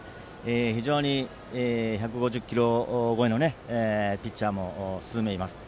非常に１５０キロ超えのピッチャーも数名います。